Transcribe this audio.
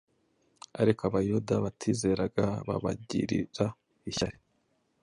Ariko Abayuda batizeraga babagirira ishyari .”